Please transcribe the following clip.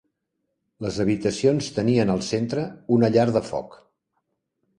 Les habitacions tenien al centre una llar de foc.